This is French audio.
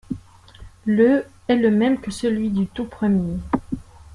Le ' est le même que celui du tout premier '.